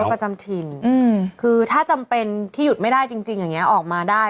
โรคประจำถิ่งคือถ้าจำเป็นที่หยุดไม่ได้จริงออกมาได้